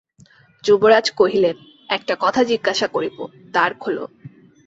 যুবরাজ কহিলেন, একটা কথা জিজ্ঞাসা করিব, দ্বার খোলো।